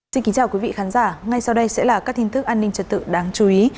xin kính chào quý vị khán giả ngay sau đây sẽ là các tin tức an ninh trật tự đáng chú ý